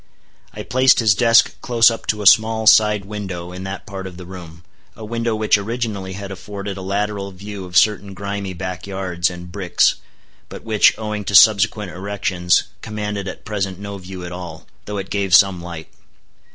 I placed his desk close up to a small side window in that part of the room, a window which originally had afforded a lateral view of certain grimy back yards and bricks, but which, owing to subsequent erections, commanded at present no view at all, though it gave some light.